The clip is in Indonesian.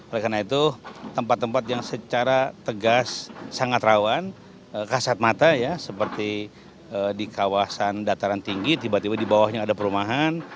oleh karena itu tempat tempat yang secara tegas sangat rawan kasat mata ya seperti di kawasan dataran tinggi tiba tiba di bawahnya ada perumahan